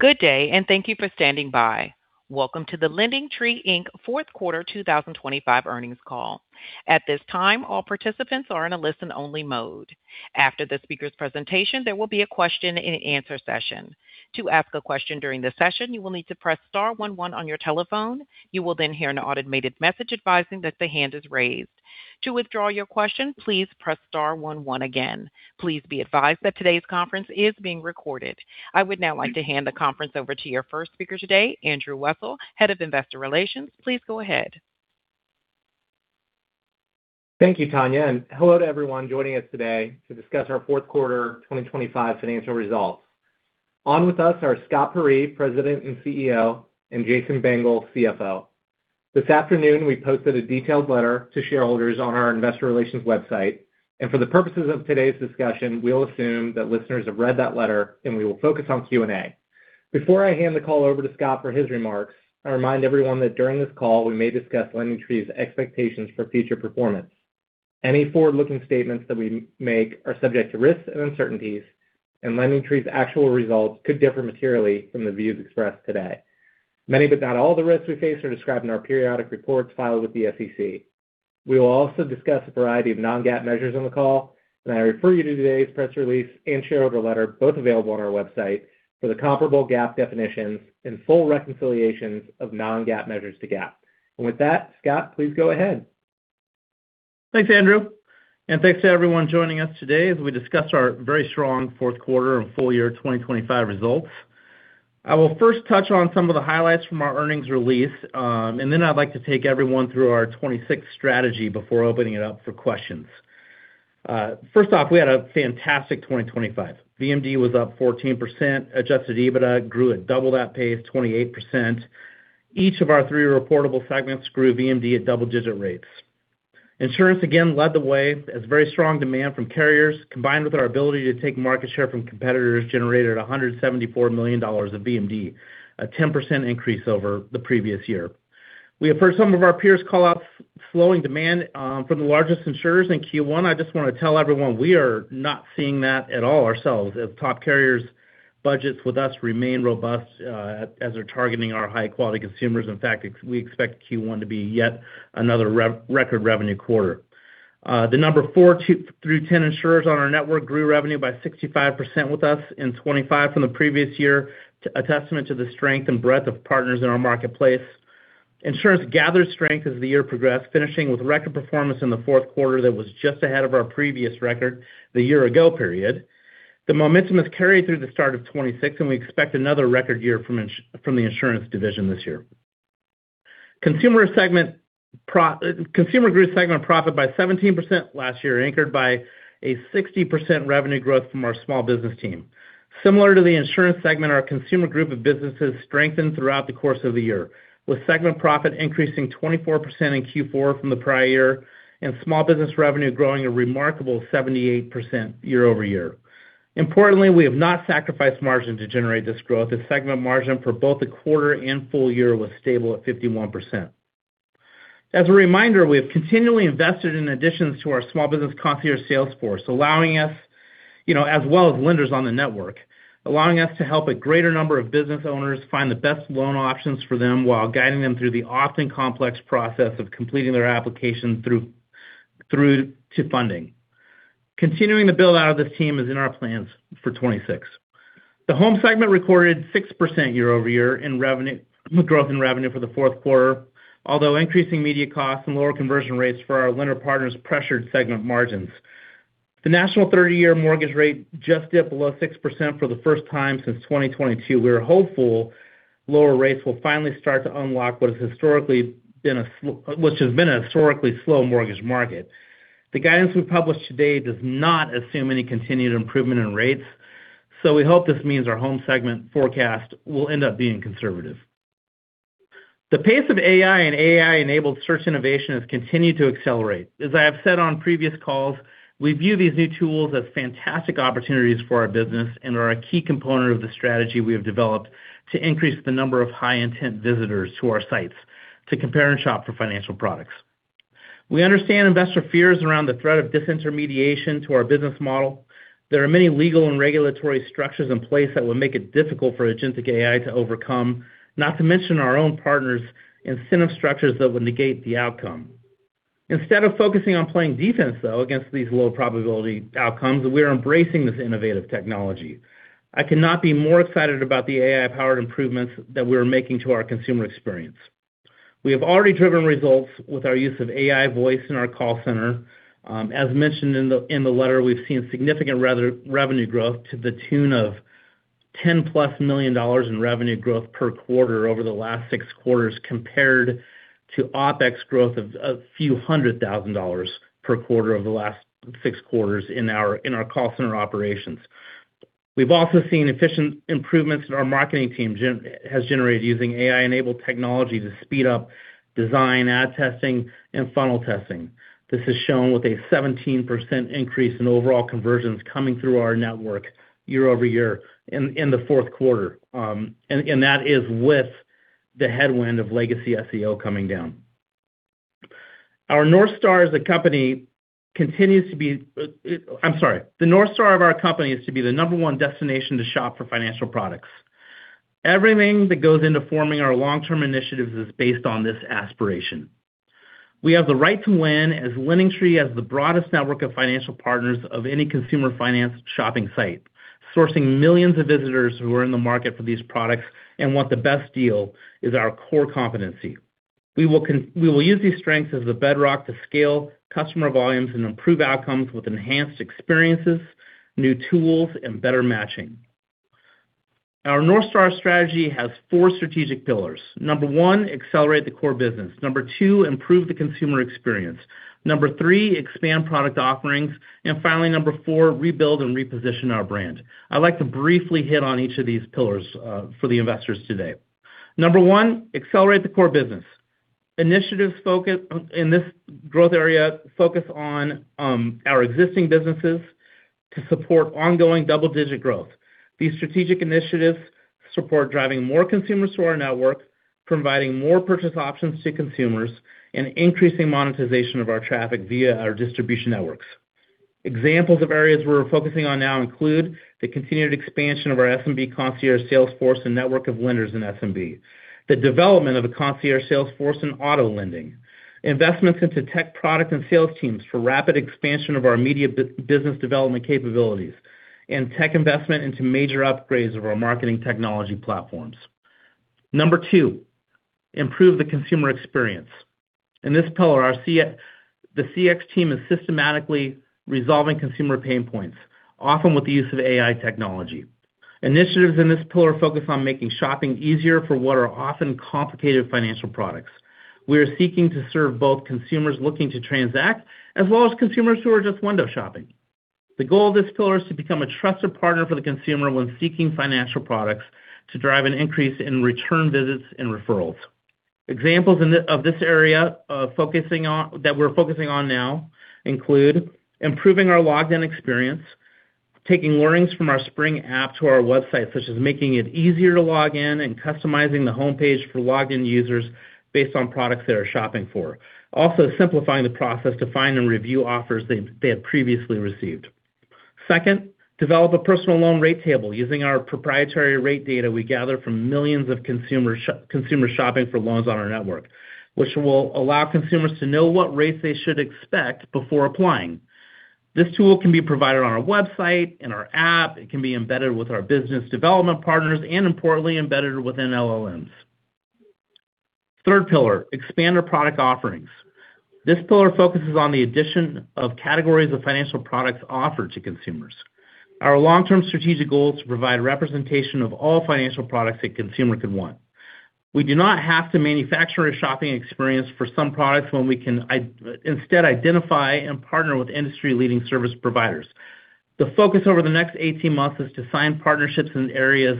Good day. Thank you for standing by. Welcome to the LendingTree Inc. Fourth Quarter 2025 Earnings Call. At this time, all participants are in a listen-only mode. After the speaker's presentation, there will be a question and answer session. To ask a question during the session, you will need to press star one one on your telephone. You will hear an automated message advising that the hand is raised. To withdraw your question, please press star one one again. Please be advised that today's conference is being recorded. I would now like to hand the conference over to your first speaker today, Andrew Wessel, Head of Investor Relations. Please go ahead. Thank you, Tanya, and hello to everyone joining us today to discuss our fourth quarter 2025 financial results. On with us are Scott Peyree, President and CEO, and Jason Bengel, CFO. This afternoon, we posted a detailed letter to shareholders on our investor relations website. For the purposes of today's discussion, we'll assume that listeners have read that letter, and we will focus on Q&A. Before I hand the call over to Scott for his remarks, I remind everyone that during this call, we may discuss LendingTree's expectations for future performance. Any forward-looking statements that we make are subject to risks and uncertainties. LendingTree's actual results could differ materially from the views expressed today. Many, but not all, of the risks we face are described in our periodic reports filed with the SEC. We will also discuss a variety of non-GAAP measures on the call, I refer you to today's press release and shareholder letter, both available on our website, for the comparable GAAP definitions and full reconciliations of non-GAAP measures to GAAP. With that, Scott, please go ahead. Thanks, Andrew, and thanks to everyone joining us today as we discuss our very strong fourth quarter and full year 2025 results. I will first touch on some of the highlights from our earnings release, and then I'd like to take everyone through our 2026 strategy before opening it up for questions. First off, we had a fantastic 2025. VMD was up 14%. Adjusted EBITDA grew at double that pace, 28%. Each of our three reportable segments grew VMD at double-digit rates. Insurance again led the way as very strong demand from carriers, combined with our ability to take market share from competitors, generated $174 million of VMD, a 10% increase over the previous year. We have heard some of our peers call out slowing demand from the largest insurers in Q1. I just want to tell everyone we are not seeing that at all ourselves as top carriers' budgets with us remain robust as they're targeting our high-quality consumers. In fact, we expect Q1 to be yet another record revenue quarter. The number four through 10 insurers on our network grew revenue by 65% with us in 2025 from the previous year, a testament to the strength and breadth of partners in our marketplace. Insurance gathered strength as the year progressed, finishing with record performance in the fourth quarter that was just ahead of our previous record the year-ago period. The momentum has carried through the start of 2026, and we expect another record year from the insurance division this year. Consumer group segment profit by 17% last year, anchored by a 60% revenue growth from our small business team. Similar to the insurance segment, our consumer group of businesses strengthened throughout the course of the year, with segment profit increasing 24% in Q4 from the prior year and small business revenue growing a remarkable 78% year-over-year. Importantly, we have not sacrificed margin to generate this growth. Segment margin for both the quarter and full year was stable at 51%. As a reminder, we have continually invested in additions to our small business concierge sales force, allowing us, you know, as well as lenders on the network, allowing us to help a greater number of business owners find the best loan options for them while guiding them through the often complex process of completing their application through to funding. Continuing to build out of this team is in our plans for 2026. The home segment recorded 6% year-over-year growth in revenue for the fourth quarter, although increasing media costs and lower conversion rates for our lender partners pressured segment margins. The national 30-year mortgage rate just dipped below 6% for the first time since 2022. We are hopeful lower rates will finally start to unlock what has historically been a which has been a historically slow mortgage market. The guidance we published today does not assume any continued improvement in rates. We hope this means our home segment forecast will end up being conservative. The pace of AI and AI-enabled search innovation has continued to accelerate. As I have said on previous calls, we view these new tools as fantastic opportunities for our business and are a key component of the strategy we have developed to increase the number of high-intent visitors to our sites to compare and shop for financial products. We understand investor fears around the threat of disintermediation to our business model. There are many legal and regulatory structures in place that would make it difficult for agentic AI to overcome, not to mention our own partners' incentive structures that would negate the outcome. Instead of focusing on playing defense, though, against these low-probability outcomes, we are embracing this innovative technology. I cannot be more excited about the AI-powered improvements that we are making to our consumer experience. We have already driven results with our use of AI voice in our call center. As mentioned in the letter, we've seen significant revenue growth to the tune of $10+ million in revenue growth per quarter over the last six quarters compared to OpEx growth of a few hundred thousand dollars per quarter over the last six quarters in our call center operations. We've also seen efficient improvements that our marketing team has generated using AI-enabled technology to speed up design, ad testing, and funnel testing. This is shown with a 17% increase in overall conversions coming through our network year-over-year in the fourth quarter. That is with the headwind of legacy SEO coming down. The North Star of our company is to be the number one destination to shop for financial products. Everything that goes into forming our long-term initiatives is based on this aspiration. We have the right to win as LendingTree has the broadest network of financial partners of any consumer finance shopping site. Sourcing millions of visitors who are in the market for these products and want the best deal is our core competency. We will use these strengths as the bedrock to scale customer volumes and improve outcomes with enhanced experiences, new tools, and better matching. Our North Star strategy has four strategic pillars. Number one, accelerate the core business. Number two, improve the consumer experience. Number three, expand product offerings. Finally, number four, rebuild and reposition our brand. I'd like to briefly hit on each of these pillars for the investors today. Number one, accelerate the core business. Initiatives in this growth area focus on our existing businesses to support ongoing double-digit growth. These strategic initiatives support driving more consumers to our network, providing more purchase options to consumers, and increasing monetization of our traffic via our distribution networks. Examples of areas we're focusing on now include the continued expansion of our SMB concierge sales force and network of lenders in SMB. The development of a concierge sales force in auto lending. Investments into tech product and sales teams for rapid expansion of our media business development capabilities, and tech investment into major upgrades of our marketing technology platforms. Number two, improve the consumer experience. In this pillar, the CX team is systematically resolving consumer pain points, often with the use of AI technology. Initiatives in this pillar focus on making shopping easier for what are often complicated financial products. We are seeking to serve both consumers looking to transact, as well as consumers who are just window shopping. The goal of this pillar is to become a trusted partner for the consumer when seeking financial products to drive an increase in return visits and referrals. Examples of this area that we're focusing on now include improving our logged-in experience, taking learnings from our Spring app to our website, such as making it easier to log in and customizing the homepage for logged-in users based on products they are shopping for. Also simplifying the process to find and review offers they had previously received. Second, develop a personal loan rate table using our proprietary rate data we gather from millions of consumers shopping for loans on our network, which will allow consumers to know what rates they should expect before applying. This tool can be provided on our website, in our app, it can be embedded with our business development partners and importantly, embedded within LLMs. Third pillar, expand our product offerings. This pillar focuses on the addition of categories of financial products offered to consumers. Our long-term strategic goal is to provide representation of all financial products a consumer could want. We do not have to manufacture a shopping experience for some products when we can instead identify and partner with industry leading service providers. The focus over the next 18 months is to sign partnerships in areas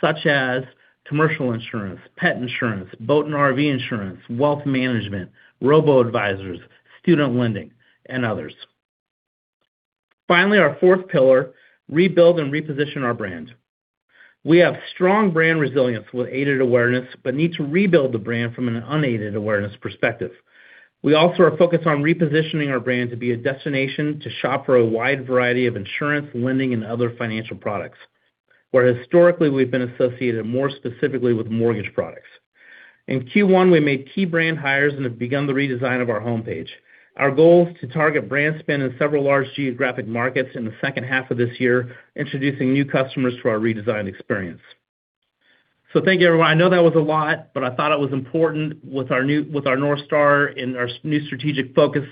such as commercial insurance, pet insurance, boat and RV insurance, wealth management, robo-advisors, student lending, and others. Finally, our fourth pillar, rebuild and reposition our brand. We have strong brand resilience with aided awareness, but need to rebuild the brand from an unaided awareness perspective. We also are focused on repositioning our brand to be a destination to shop for a wide variety of insurance, lending, and other financial products. Where historically we've been associated more specifically with mortgage products. In Q1, we made key brand hires and have begun the redesign of our homepage. Our goal is to target brand spend in several large geographic markets in the second half of this year, introducing new customers to our redesigned experience. Thank you, everyone. I know that was a lot, but I thought it was important with our North Star and our new strategic focus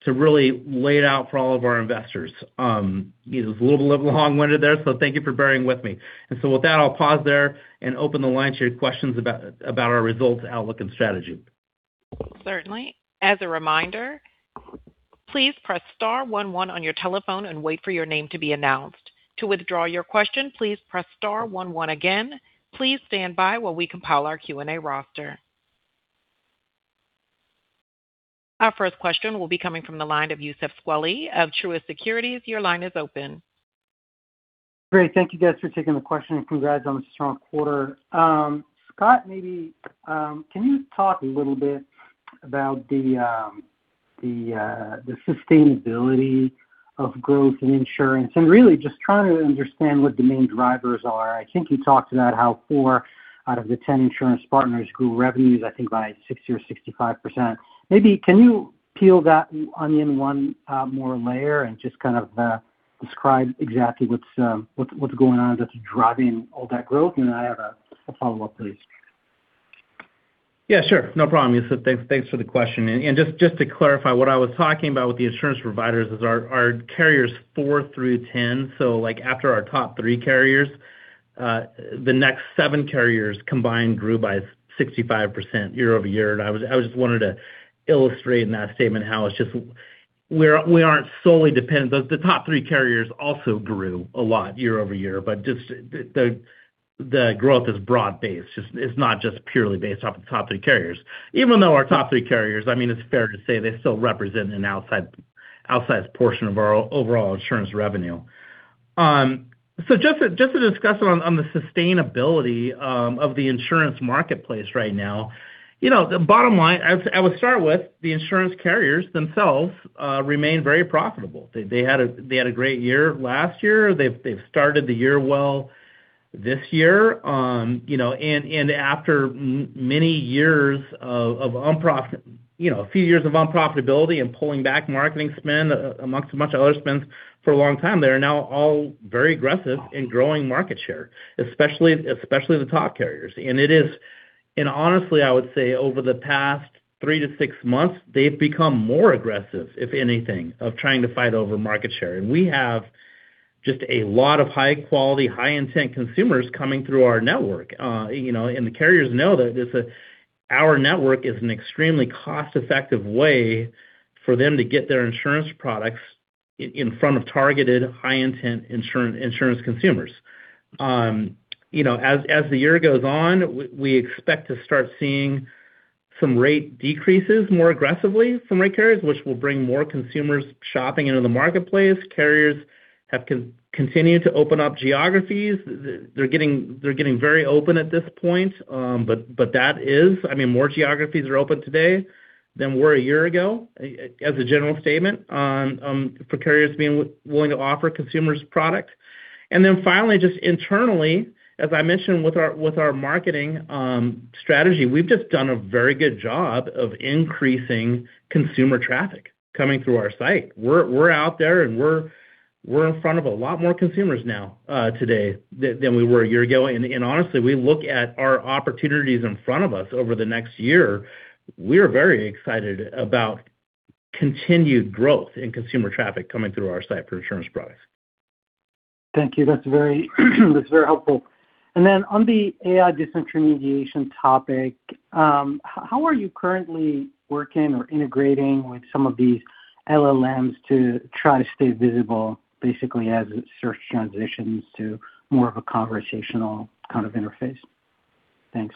to really lay it out for all of our investors. It was a little bit long-winded there, so thank you for bearing with me. With that, I'll pause there and open the line to your questions about our results, outlook, and strategy. Certainly. As a reminder, please press star 11 on your telephone and wait for your name to be announced. To withdraw your question, please press star 11 again. Please stand by while we compile our Q&A roster. Our first question will be coming from the line of Youssef Squali of Truist Securities. Your line is open. Great. Thank you guys for taking the question, and congrats on the strong quarter. Scott, maybe, can you talk a little bit about the sustainability of growth in insurance? Really just trying to understand what the main drivers are. I think you talked about how four out of the 10 insurance partners grew revenues, I think, by 60% or 65%. Maybe can you peel that onion one more layer and just kind of describe exactly what's going on that's driving all that growth? Then I have a follow-up, please. Yeah, sure. No problem, Youssef. Thanks for the question. Just to clarify, what I was talking about with the insurance providers is our carriers four through 10. Like after our top three carriers, the next seven carriers combined grew by 65% year-over-year. I just wanted to illustrate in that statement how it's just we aren't solely dependent. The top three carriers also grew a lot year-over-year, just the growth is broad-based. Just it's not just purely based off the top three carriers. Even though our top three carriers, I mean, it's fair to say they still represent an outside portion of our overall insurance revenue. Just to discuss on the sustainability of the insurance marketplace right now. You know, the bottom line, I would start with the insurance carriers themselves, remain very profitable. They had a great year last year. They've started the year well this year. You know, and after many years of, you know, a few years of unprofitability and pulling back marketing spend amongst much other spends for a long time, they are now all very aggressive in growing market share, especially the top carriers. Honestly, I would say over the past three months to six months, they've become more aggressive, if anything, of trying to fight over market share. We have just a lot of high quality, high intent consumers coming through our network. you know, the carriers know that our network is an extremely cost-effective way for them to get their insurance products in front of targeted high intent insurance consumers. you know, as the year goes on, we expect to start seeing some rate decreases more aggressively from rate carriers, which will bring more consumers shopping into the marketplace. Carriers have continued to open up geographies. They're getting very open at this point. That is, I mean, more geographies are open today than were a year ago, as a general statement, for carriers being willing to offer consumers product. finally, just internally, as I mentioned with our marketing strategy, we've just done a very good job of increasing consumer traffic coming through our site. We're out there, and we're in front of a lot more consumers now today than we were a year ago. Honestly, we look at our opportunities in front of us over the next year, we're very excited about continued growth in consumer traffic coming through our site for insurance products. Thank you. That's very helpful. On the AI disintermediation topic, how are you currently working or integrating with some of these LLMs to try to stay visible basically as search transitions to more of a conversational kind of interface? Thanks.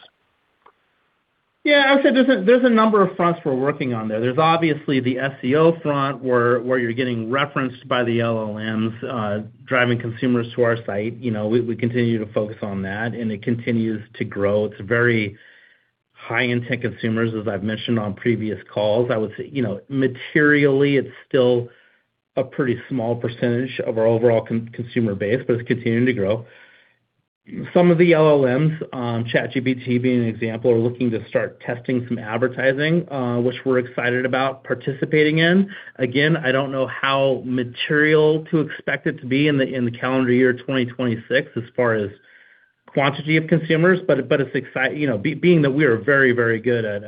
I'd say there's a number of fronts we're working on there. There's obviously the SEO front where you're getting referenced by the LLMs, driving consumers to our site. You know, we continue to focus on that, and it continues to grow. It's very high intent consumers, as I've mentioned on previous calls. I would say, you know, materially, it's still a pretty small percentage of our overall consumer base, but it's continuing to grow. Some of the LLMs, ChatGPT being an example, are looking to start testing some advertising, which we're excited about participating in. Again, I don't know how material to expect it to be in the calendar year 2026 as far as quantity of consumers, but it's you know, being that we are very, very good at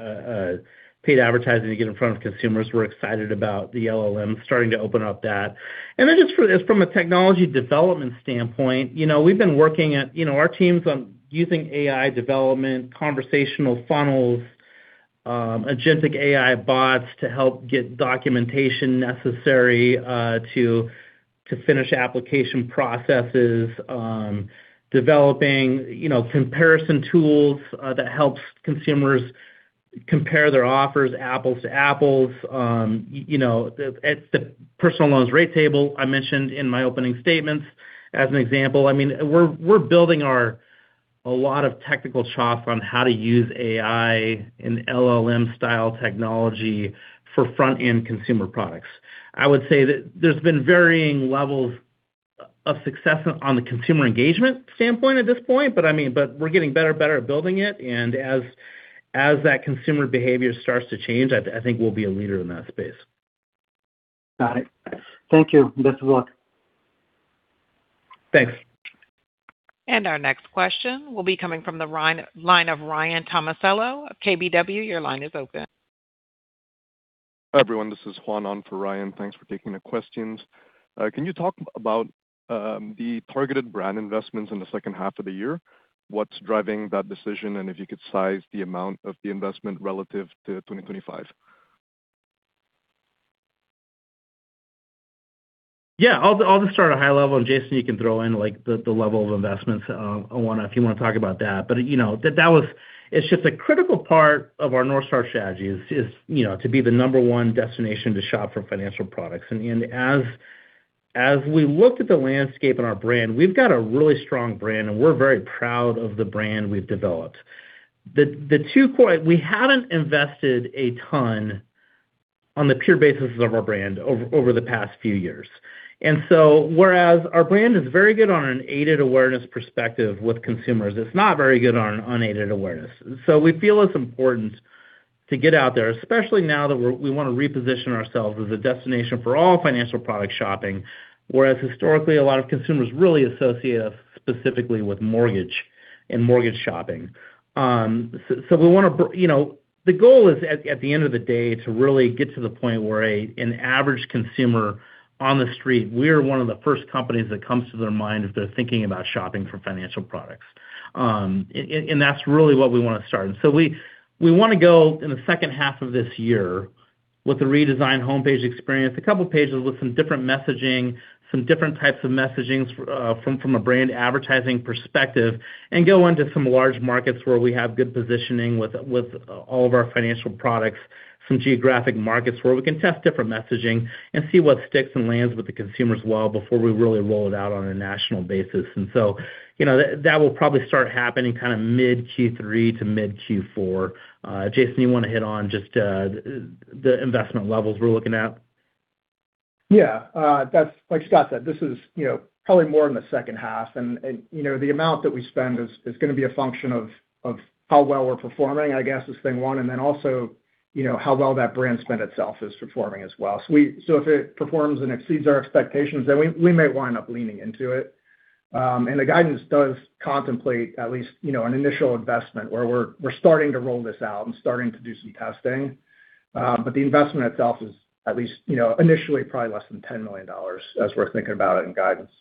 paid advertising to get in front of consumers, we're excited about the LLMs starting to open up that. Just from a technology development standpoint, you know, we've been working at. You know, our team's using AI development, conversational funnels, agentic AI bots to help get documentation necessary to finish application processes, developing, you know, comparison tools that helps consumers compare their offers apples to apples. You know, it's the personal loans rate table I mentioned in my opening statements as an example. I mean, we're building a lot of technical chops on how to use AI and LLM style technology for front-end consumer products. I would say that there's been varying levels of success on the consumer engagement standpoint at this point, but I mean, we're getting better and better at building it. As that consumer behavior starts to change, I think we'll be a leader in that space. Got it. Thank you. Best of luck. Thanks. Our next question will be coming from the line of Ryan Tomasello of KBW. Your line is open. Hi, everyone. This is Juan on for Ryan. Thanks for taking the questions. Can you talk about the targeted brand investments in the second half of the year? What's driving that decision? If you could size the amount of the investment relative to 2025. Yeah. I'll just start at high level, Jason you can throw in, like, the level of investments, on one end if you wanna talk about that. You know, It's just a critical part of our North Star strategy is, you know, to be the number one destination to shop for financial products. As we look at the landscape and our brand, we've got a really strong brand, and we're very proud of the brand we've developed. We haven't invested a ton on the pure basis of our brand over the past few years. Whereas our brand is very good on an aided awareness perspective with consumers, it's not very good on unaided awareness. We feel it's important to get out there, especially now that we wanna reposition ourselves as a destination for all financial product shopping, whereas historically, a lot of consumers really associate us specifically with mortgage and mortgage shopping. We wanna You know, the goal is at the end of the day to really get to the point where an average consumer on the street, we're one of the first companies that comes to their mind if they're thinking about shopping for financial products. And that's really what we wanna start. We wanna go in the second half of this year. With the redesigned homepage experience, a couple pages with some different messaging, some different types of messagings, from a brand advertising perspective, and go into some large markets where we have good positioning with all of our financial products. Some geographic markets where we can test different messaging and see what sticks and lands with the consumers well before we really roll it out on a national basis. You know, that will probably start happening kind of mid Q3 to mid Q4. Jason, you want to hit on just the investment levels we're looking at? Yeah. Like Scott said, this is, you know, probably more in the second half. You know, the amount that we spend is gonna be a function of how well we're performing, I guess, is thing one. Also, you know, how well that brand spend itself is performing as well. If it performs and exceeds our expectations, then we may wind up leaning into it. The guidance does contemplate at least, you know, an initial investment where we're starting to roll this out and starting to do some testing. The investment itself is at least, you know, initially probably less than $10 million as we're thinking about it in guidance.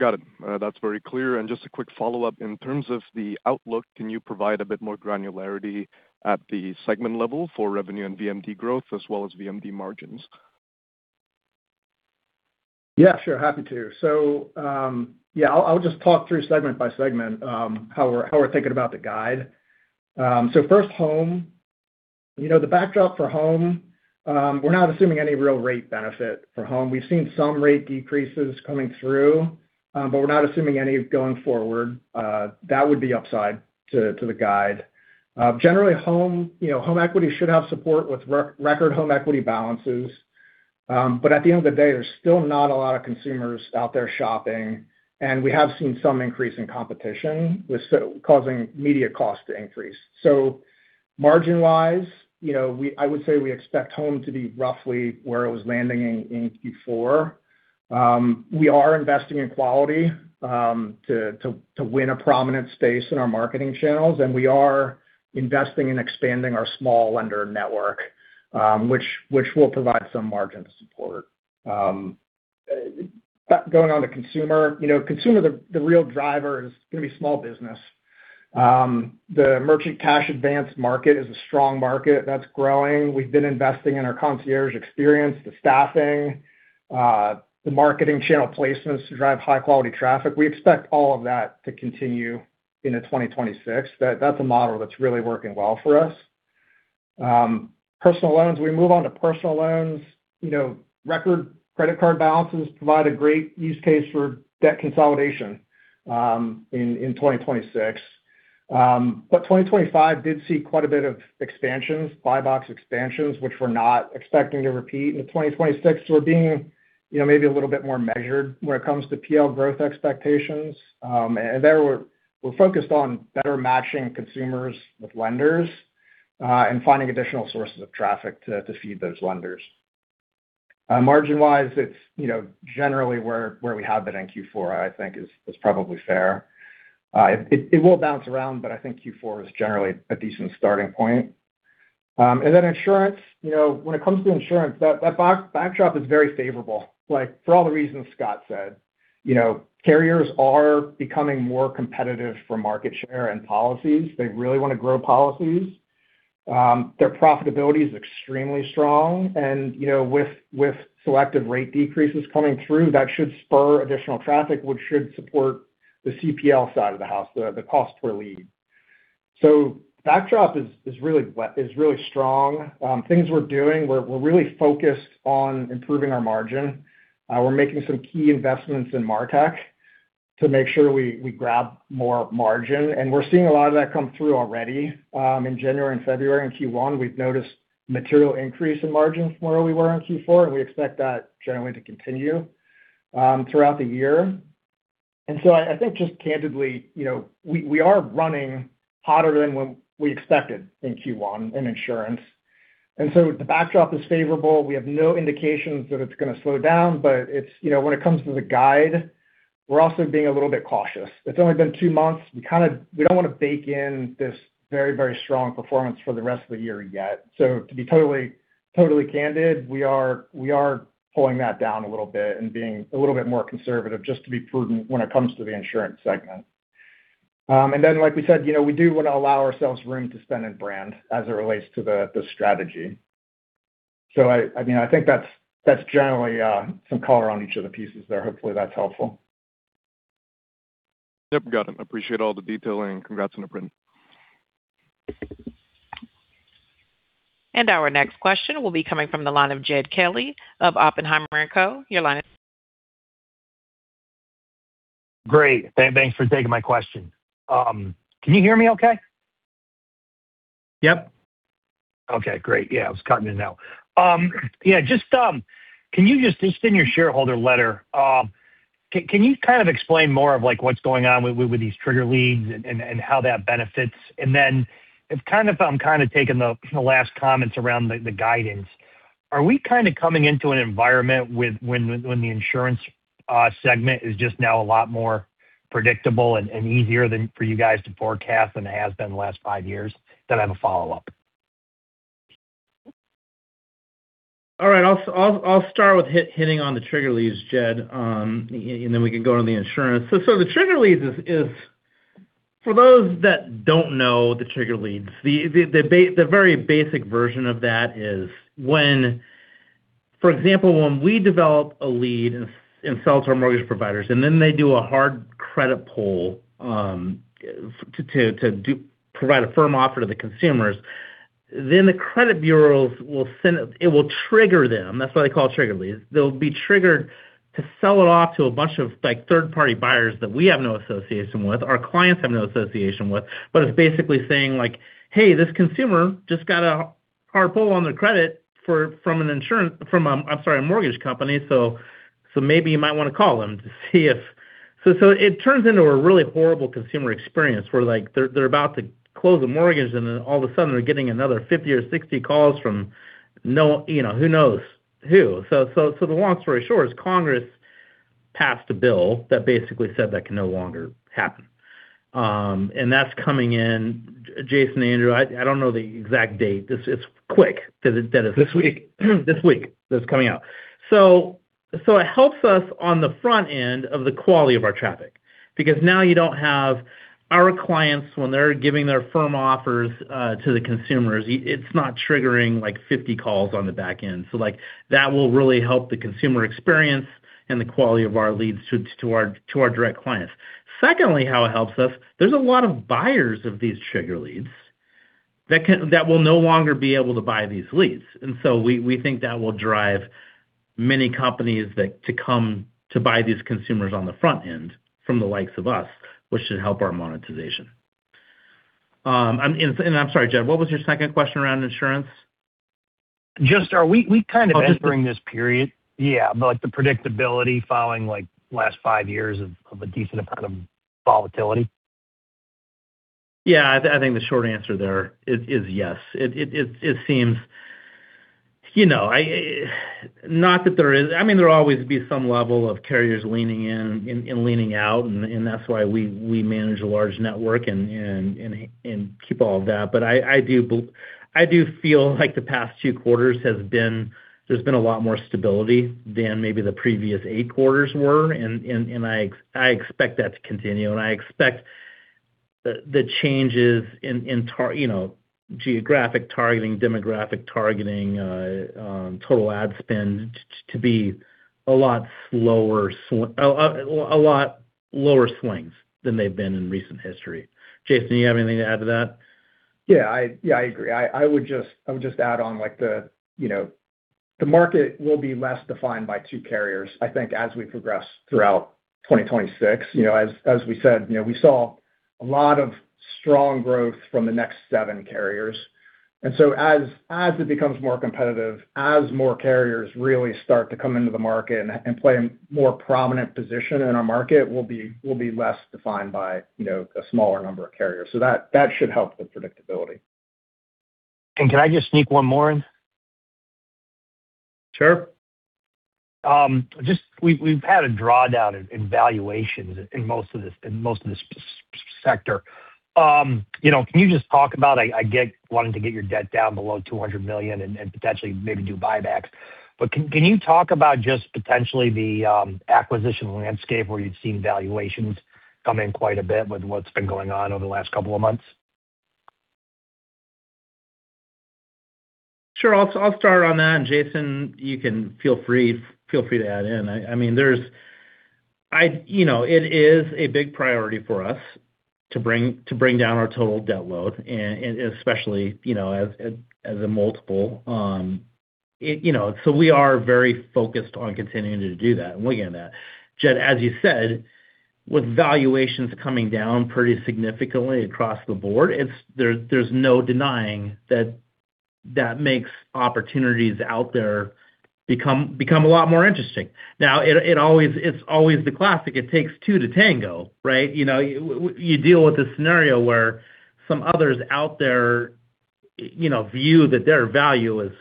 Got it. That's very clear. Just a quick follow-up. In terms of the outlook, can you provide a bit more granularity at the segment level for revenue and VMD growth as well as VMD margins? Yeah, sure. Happy to. I'll just talk through segment by segment, how we're thinking about the guide. First Home. You know, the backdrop for Home, we're not assuming any real rate benefit for Home. We've seen some rate decreases coming through, we're not assuming any going forward. That would be upside to the guide. Generally Home, you know, home equity should have support with re-record home equity balances. At the end of the day, there's still not a lot of consumers out there shopping, we have seen some increase in competition causing media costs to increase. Margin-wise, you know, I would say we expect Home to be roughly where it was landing in Q4. We are investing in quality to win a prominent space in our marketing channels, and we are investing in expanding our small lender network, which will provide some margin support. Going on to Consumer. You know, Consumer, the real driver is gonna be small business. The merchant cash advance market is a strong market that's growing. We've been investing in our concierge experience, the staffing, the marketing channel placements to drive high-quality traffic. We expect all of that to continue into 2026. That's a model that's really working well for us. Personal loans. We move on to personal loans. You know, record credit card balances provide a great use case for debt consolidation, in 2026. 2025 did see quite a bit of expansions, buy box expansions, which we're not expecting to repeat in 2026. We're being, you know, maybe a little bit more measured when it comes to PL growth expectations. There we're focused on better matching consumers with lenders and finding additional sources of traffic to feed those lenders. Margin-wise, it's, you know, generally where we have been in Q4, I think is probably fair. It will bounce around, I think Q4 is generally a decent starting point. Insurance. You know, when it comes to insurance, that back-backdrop is very favorable, like for all the reasons Scott said. You know, carriers are becoming more competitive for market share and policies. They really wanna grow policies. Their profitability is extremely strong. You know, with selective rate decreases coming through, that should spur additional traffic, which should support the CPL side of the house, the cost per lead. Backdrop is really strong. Things we're doing, we're really focused on improving our margin. We're making some key investments in MarTech to make sure we grab more margin. We're seeing a lot of that come through already in January and February. In Q1, we've noticed material increase in margins from where we were in Q4, and we expect that generally to continue throughout the year. I think just candidly, you know, we are running hotter than when we expected in Q1 in insurance. The backdrop is favorable. We have no indications that it's gonna slow down. You know, when it comes to the guide, we're also being a little bit cautious. It's only been two months. We don't wanna bake in this very, very strong performance for the rest of the year yet. To be totally candid, we are pulling that down a little bit and being a little bit more conservative just to be prudent when it comes to the insurance segment. Like we said, you know, we do wanna allow ourselves room to spend in brand as it relates to the strategy. I mean, I think that's generally some color on each of the pieces there. Hopefully, that's helpful. Yep, got it. Appreciate all the detail and congrats on the print. Our next question will be coming from the line of Jed Kelly of Oppenheimer & Co. Your line. Great. Thanks for taking my question. Can you hear me okay? Yep. Okay, great. Yeah, I was cutting in and out. Yeah, just, can you just in your shareholder letter, can you kind of explain more of like what's going on with these trigger leads and how that benefits? If I'm kind of taking the last comments around the guidance, are we kind of coming into an environment when the insurance segment is just now a lot more predictable and easier than for you guys to forecast than it has been the last five years? I have a follow-up. All right. I'll start with hitting on the trigger leads, Jed, then we can go on the insurance. The trigger leads is for those that don't know the trigger leads, the very basic version of that is when, for example, when we develop a lead and sell to our mortgage providers, and then they do a hard credit pull to provide a firm offer to the consumers, then the credit bureaus will send a... It will trigger them. That's why they call trigger leads. They'll be triggered to sell it off to a bunch of, like, third-party buyers that we have no association with, our clients have no association with. It's basically saying like, "Hey, this consumer just got a hard pull on their credit from an insurance... From, I'm sorry, a mortgage company. Maybe you might wanna call them to see if... It turns into a really horrible consumer experience where, like, they're about to close a mortgage, and then all of a sudden they're getting another 50 calls or 60 calls from no... You know, who knows who. The long story short is Congress passed a bill that basically said that can no longer happen. That's coming in. Jason, Andrew, I don't know the exact date. This is quick that is- This week. This week that's coming out. It helps us on the front end of the quality of our traffic because now you don't have our clients when they're giving their firm offers to the consumers, it's not triggering like 50 calls on the back end. Like, that will really help the consumer experience and the quality of our leads to our direct clients. Secondly, how it helps us, there's a lot of buyers of these trigger leads that will no longer be able to buy these leads. We think that will drive many companies, like, to come to buy these consumers on the front end from the likes of us, which should help our monetization. I'm sorry, Jed, what was your second question around insurance? Just are we kind of entering this period... Oh. Yeah, like the predictability following like last five years of a decent amount of volatility. Yeah. I think the short answer there is yes. It seems... You know, Not that there is... I mean, there'll always be some level of carriers leaning in and leaning out, and that's why we manage a large network and keep all of that. I do feel like the past two quarters there's been a lot more stability than maybe the previous eight quarters were. I expect that to continue, and I expect the changes in, you know, geographic targeting, demographic targeting, total ad spend to be a lot slower, a lot lower swings than they've been in recent history. Jason, do you have anything to add to that? Yeah. I, yeah, I agree. I would just, I would just add on, like, the, you know, the market will be less defined by two carriers, I think, as we progress throughout 2026. You know, as we said, you know, we saw a lot of strong growth from the next seven carriers. As, as it becomes more competitive, as more carriers really start to come into the market and play a more prominent position in our market, we'll be, we'll be less defined by, you know, a smaller number of carriers. That, that should help with predictability. Can I just sneak 1 more in? Sure. Just we've had a drawdown in valuations in most of this sector. You know, can you just talk about I get wanting to get your debt down below $200 million and potentially maybe do buybacks. Can you talk about just potentially the acquisition landscape where you've seen valuations come in quite a bit with what's been going on over the last couple of months? Sure. I'll start on that. Jason, you can feel free to add in. I mean, there's you know, it is a big priority for us to bring down our total debt load, and especially, you know, as a multiple. You know, so we are very focused on continuing to do that, and we get that. Jed, as you said, with valuations coming down pretty significantly across the board, there's no denying that that makes opportunities out there become a lot more interesting. It's always the classic, it takes two to tango, right? You know, you deal with a scenario where some others out there, you know, view that their value is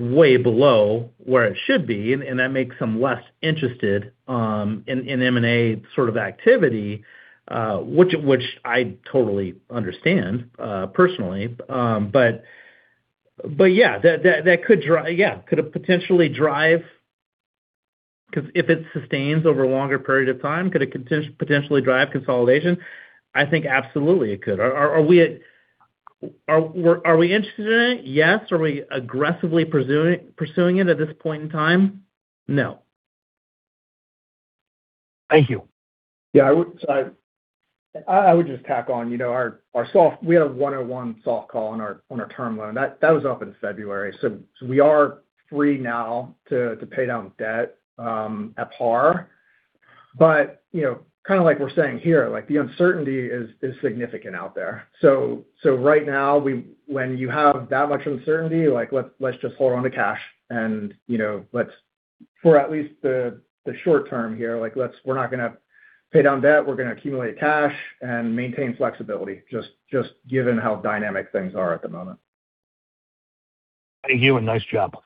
way below where it should be, and that makes them less interested in M&A sort of activity, which I totally understand personally. But yeah, that could. Yeah. If it sustains over a longer period of time, could it potentially drive consolidation? I think absolutely it could. Are we interested in it? Yes. Are we aggressively pursuing it at this point in time? No. Thank you. Yeah. I would just tack on, you know, we had a one-on-one soft call on our term loan. That was up in February. We are free now to pay down debt at par. You know, kinda like we're saying here, like, the uncertainty is significant out there. Right now, when you have that much uncertainty, like, let's just hold on to cash and, you know, let's for at least the short term here, like, we're not gonna pay down debt. We're gonna accumulate cash and maintain flexibility, just given how dynamic things are at the moment. Thank you, and nice job.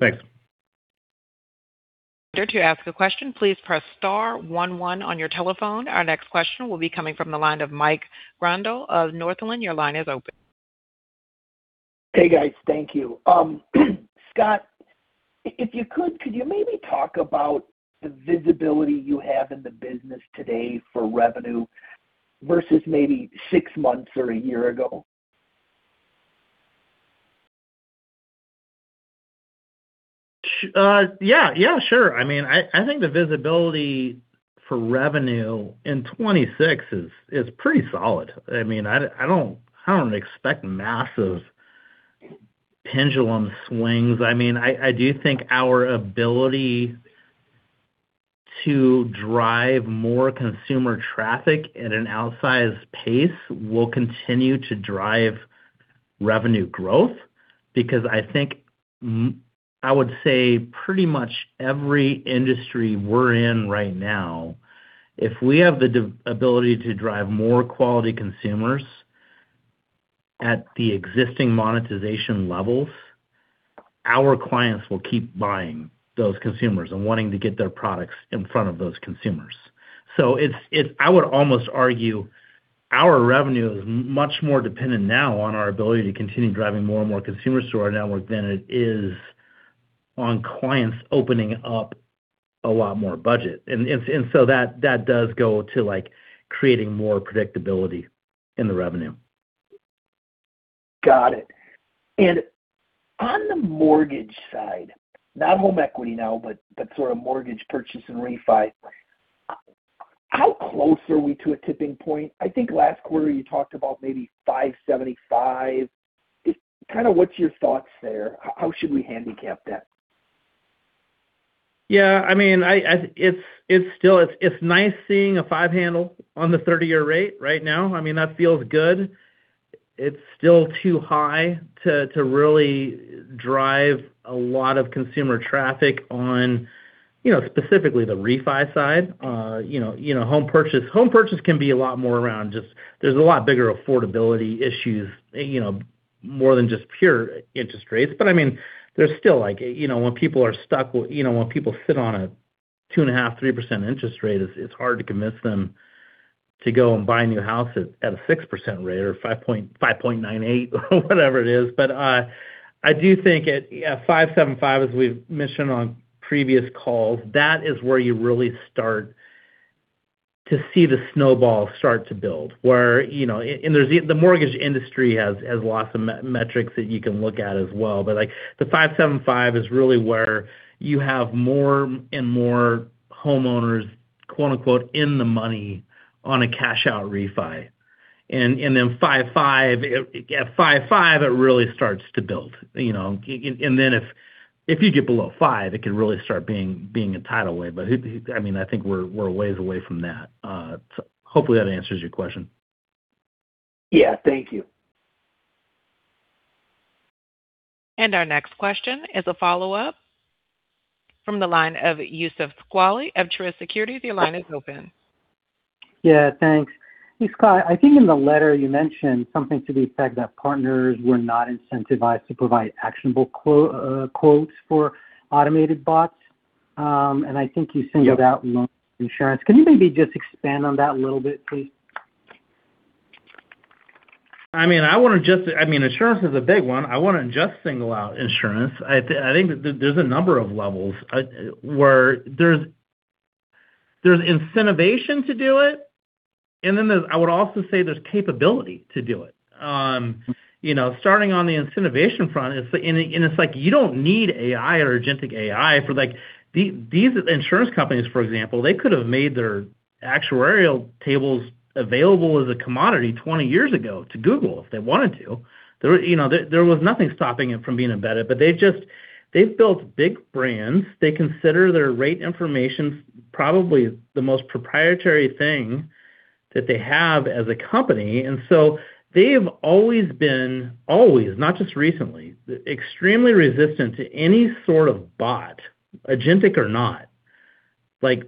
Thanks. To ask a question, please press star one one on your telephone. Our next question will be coming from the line of Mike Grondahl of Northland. Your line is open. Hey, guys. Thank you. Scott, could you maybe talk about the visibility you have in the business today for revenue versus maybe six months or a year ago? Yeah. Yeah, sure. I mean, I think the visibility for revenue in 26 is pretty solid. I mean, I don't, I don't expect massive pendulum swings. I mean, I do think our ability to drive more consumer traffic at an outsized pace will continue to drive revenue growth because I think I would say pretty much every industry we're in right now, if we have the ability to drive more quality consumers at the existing monetization levels, our clients will keep buying those consumers and wanting to get their products in front of those consumers. It's I would almost argue our revenue is much more dependent now on our ability to continue driving more and more consumers to our network than it is on clients opening up a lot more budget. That does go to, like, creating more predictability in the revenue. Got it. On the mortgage side, not home equity now, but that sort of mortgage purchase and refi, how close are we to a tipping point? I think last quarter you talked about maybe $575. It's kinda what's your thoughts there? How should we handicap that? Yeah, I mean, it's still nice seeing a five handle on the 30-year rate right now. I mean, that feels good. It's still too high to really drive a lot of consumer traffic on, you know, specifically the refi side. You know, home purchase can be a lot more around just there's a lot bigger affordability issues, you know, more than just pure interest rates. I mean, there's still like, you know, when people are stuck, you know, when people sit on a 2.5%, 3% interest rate, it's hard to convince them to go and buy a new house at a 6% rate or 5.98% or whatever it is. I do think at 575, as we've mentioned on previous calls, that is where you really start to see the snowball start to build where, you know. The mortgage industry has lots of metrics that you can look at as well. Like, the 575 is really where you have more and more homeowners, quote-unquote, "In the money on a cash out refi." Then 5.5%, at 5.5%, it really starts to build, you know. If you get below 5%, it can really start being a tidal wave. I mean, I think we're ways away from that. Hopefully that answers your question. Yeah. Thank you. Our next question is a follow-up from the line of Youssef Squali of Truist Securities. Your line is open. Yeah, thanks. Hey, Scott. I think in the letter you mentioned something to the effect that partners were not incentivized to provide actionable quotes for automated bots. I think you. Yep. -singled out loan insurance. Can you maybe just expand on that a little bit, please? I mean, insurance is a big one. I wouldn't just single out insurance. I think there's a number of levels where there's incentivation to do it, and then I would also say there's capability to do it. You know, starting on the incentivation front, and it's like you don't need AI or agentic AI for like... These insurance companies, for example, they could have made their actuarial tables available as a commodity 20 years ago to Google if they wanted to. There, you know, there was nothing stopping it from being embedded, they've built big brands. They consider their rate information probably the most proprietary thing that they have as a company. They have always been, always, not just recently, extremely resistant to any sort of bot, agentic or not, like,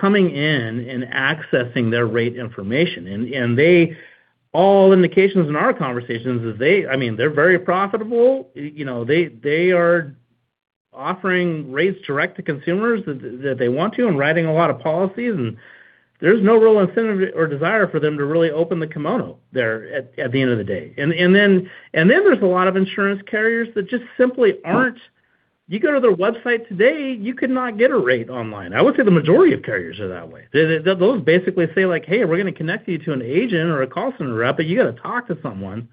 coming in and accessing their rate information. All indications in our conversations is they, I mean, they're very profitable. You know, they are offering rates direct to consumers that they want to and writing a lot of policies, and there's no real incentive or desire for them to really open the kimono there at the end of the day. There's a lot of insurance carriers that just simply aren't. You go to their website today, you could not get a rate online. I would say the majority of carriers are that way. Those basically say like, "Hey, we're gonna connect you to an agent or a call center rep, but you gotta talk to someone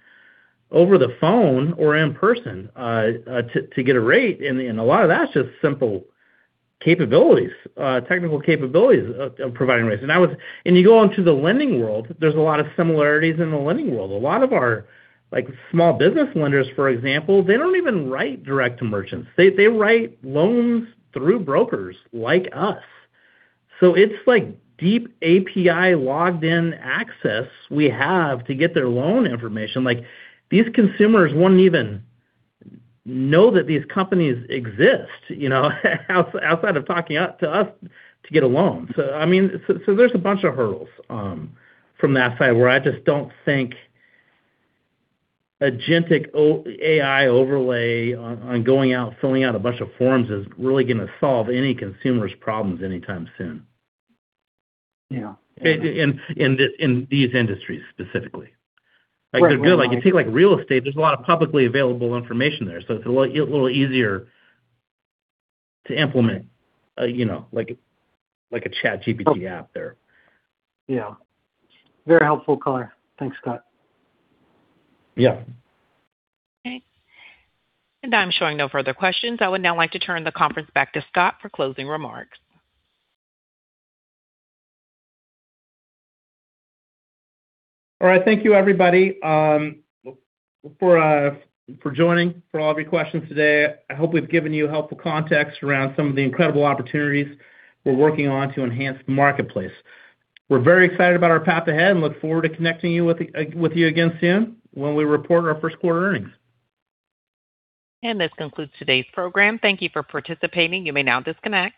over the phone or in person to get a rate." A lot of that's just simple capabilities, technical capabilities of providing rates. You go into the lending world, there's a lot of similarities in the lending world. A lot of our, like, small business lenders, for example, they don't even write direct to merchants. They write loans through brokers like us. It's like deep API logged in access we have to get their loan information. Like, these consumers wouldn't even know that these companies exist, you know, outside of talking out to us to get a loan. I mean. There's a bunch of hurdles from that side where I just don't think agentic AI overlay on going out, filling out a bunch of forms is really gonna solve any consumer's problems anytime soon. Yeah. In, in these industries specifically. Right. If you go, like, you take, like, real estate, there's a lot of publicly available information there, so it's a little easier to implement, you know, like a, like a ChatGPT app there. Yeah. Very helpful color. Thanks, Scott. Yeah. Okay. I'm showing no further questions. I would now like to turn the conference back to Scott for closing remarks. All right. Thank you everybody, for joining, for all of your questions today. I hope we've given you helpful context around some of the incredible opportunities we're working on to enhance the marketplace. We're very excited about our path ahead and look forward to connecting you with you again soon when we report our first quarter earnings. This concludes today's program. Thank you for participating. You may now disconnect.